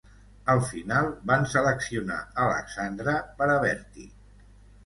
Al final, van seleccionar Alexandra per a Bertie.